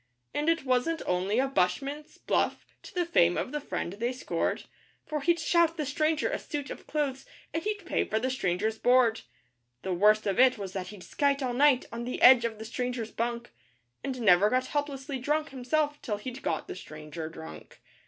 And it wasn't only a bushman's 'bluff' to the fame of the Friend they scored, For he'd shout the stranger a suit of clothes, and he'd pay for the stranger's board The worst of it was that he'd skite all night on the edge of the stranger's bunk, And never got helplessly drunk himself till he'd got the stranger drunk.